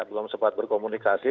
belum sempat berkomunikasi